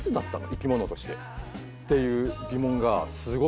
生き物としてっていう疑問がすごく湧いて。